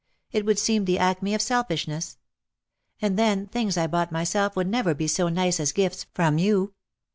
It would seem the acme of selfishness. And, then, things I bought myself would never be so nice as gifts from you.